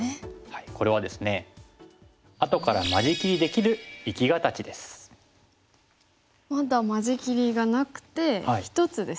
これはですねまだ間仕切りがなくて１つですよね。